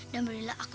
dan belilah aku